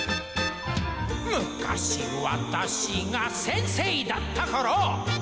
「昔わたしが先生だったころ」